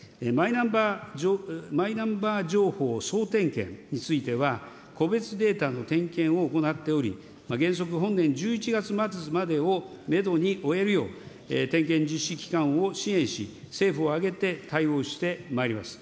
マイナンバー情報総点検については、個別データの点検を行っており、原則、本年１１月末までをメドに終えるよう、点検実施機関を支援し、政府を挙げて対応してまいります。